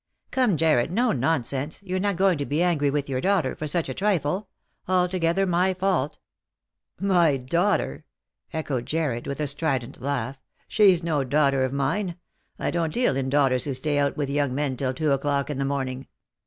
" Come, Jarred, no nonsense. You're not going to be angry with your daughter for such a trifle — altogether my fault." " My daughter !" echoed Jarred, with a strident laugh. " She's no daughter of mine. I don't deal in daughters who stay out with young men till two o'clock in the morning.